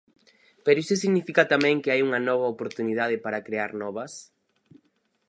Pero iso significa tamén que hai unha oportunidade para crear novas.